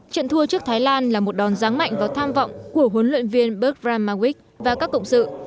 trận thua trước thái lan là một đòn ráng mạnh và tham vọng của huấn luyện viên berg radmawik và các cộng sự